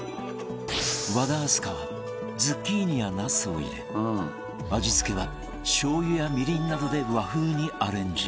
和田明日香はズッキーニやナスを入れ味付けはしょう油やみりんなどで和風にアレンジ